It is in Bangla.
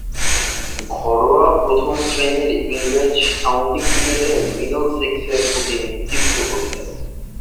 ঘরোয়া প্রথম-শ্রেণীর ইংরেজ কাউন্টি ক্রিকেটে মিডলসেক্সের প্রতিনিধিত্ব করতেন।